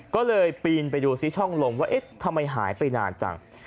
ก็เลยปีนไปดูซิช่องลมว่าเอ๊ะทำไมหายไปนานจัง